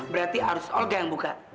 berarti harus alga yang buka